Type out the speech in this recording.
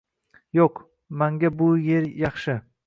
Yo‘q, mango shu yer yaxshi!